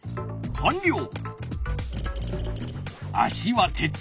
かんりょう！